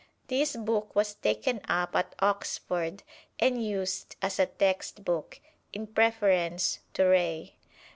This book was taken up at Oxford and used as a textbook, in preference to Ray.